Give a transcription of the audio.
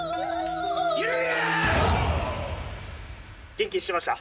元気にしてました？